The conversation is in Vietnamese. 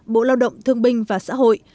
bộ lao động thương binh và xã hội